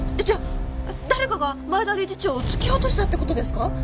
じゃあ誰かが前田理事長を突き落としたって事ですか？